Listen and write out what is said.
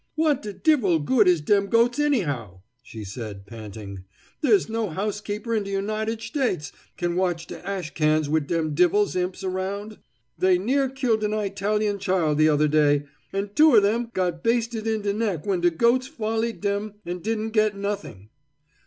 "What de divil good is dem goats anyhow?" she said, panting. "There's no housekeeper in de United Shtates can watch de ash cans wid dem divil's imps around. They near killed an Eyetalian child the other day, and two of them got basted in de neck when de goats follied dem and didn't get nothing.